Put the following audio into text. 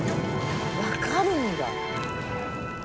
分かるんだ。